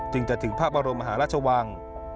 จึงจะถึงภาพบรมมหาราชวัง